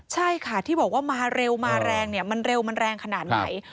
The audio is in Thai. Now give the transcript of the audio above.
ใช่ค่ะที่บอกว่ามาเร็วมาแรงเนี่ยมันเร็วมันแรงขนาดไหน